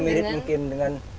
semirip mungkin dengan